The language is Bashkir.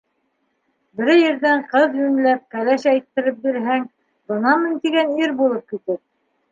Берәй ерҙән ҡыҙ йүнләп, кәләш әйттереп бирһәң, бынамын тигән ир булып китер.